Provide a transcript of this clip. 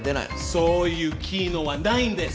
そういう機能はないんです。